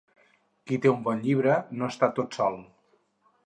Qui té un bon llibre no està tot sol.